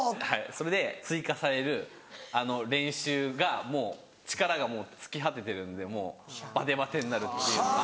それで追加される練習がもう力が尽き果ててるのでもうバテバテになるっていうか。